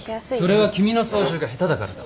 それは君の操縦が下手だからだ。